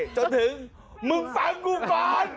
จนถึงมึงฟังกูก่อน